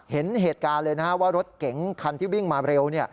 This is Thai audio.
เห็นเหตุการณ์เลยนะฮะว่ารถเก๋งคันที่วิ่งมาเร็ว